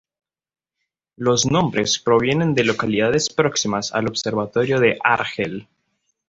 Los nombres provienen de localidades próximas al observatorio de Argel.